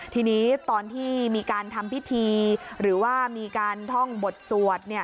ทีนี้ตอนที่มีการทำพิธีหรือว่ามีการท่องบทสวดเนี่ย